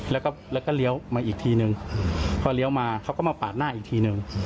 แล้วก็เลี้ยวมาอีกทีนึงพอเลี้ยวมาเขาก็มาปาดหน้าอีกทีหนึ่ง